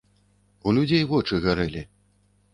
У людзей вочы гарэлі.